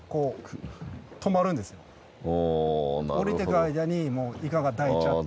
下りてく間にイカが抱いちゃって。